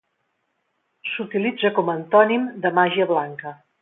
S'utilitza com a antònim de màgia blanca.